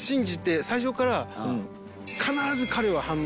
最初から。